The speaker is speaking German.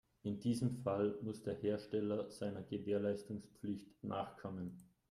In diesem Fall muss der Hersteller seiner Gewährleistungspflicht nachkommen.